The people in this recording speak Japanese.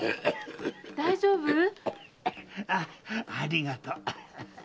大丈夫？ああありがと。